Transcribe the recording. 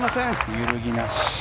揺るぎなし。